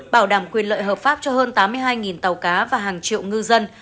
bảo đảm quyền lợi hợp pháp cho hơn tám mươi hai tàu cá và hàng triệu ngư dân